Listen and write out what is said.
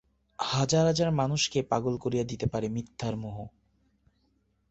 হাজার হাজার মানুষকে পাগল করিয়া দিতে পারে মিথ্যার মোহ।